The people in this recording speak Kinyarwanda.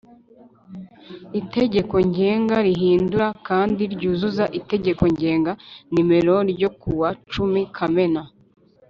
Itegeko Ngenga rihindura kandi ryuzuza Itegeko Ngenga nimero ryo kuwa cumi kamena